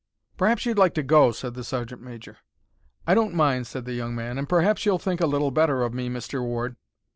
"Perhaps you'd like to go," said the sergeant major. "I don't mind," said the young man; "and perhaps you'll think a little better of me, Mr. Ward.